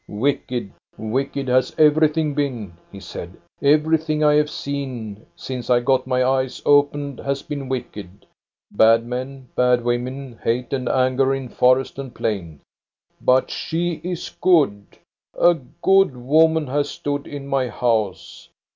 " Wicked, wicked has everything been," he said '* Everything I have seen since I got my eyes opened has been wicked. Bad men, bad women! Hate and anger in forest and plain! But she is good. A good woman has stood in my house.